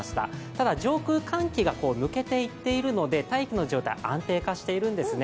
ただ、上空寒気が抜けていっているので、大気の状態安定化しているんですね。